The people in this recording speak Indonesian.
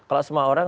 kalau semua orang